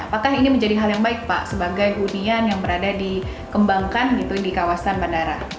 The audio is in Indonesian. apakah ini menjadi hal yang baik pak sebagai hunian yang berada dikembangkan di kawasan bandara